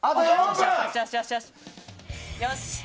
よし！